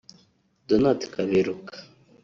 Donald Kaberuka